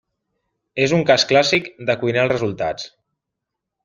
És un cas clàssic de cuinar els resultats.